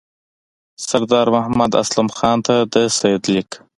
سردار محمد اسلم خان ته د سید لیک.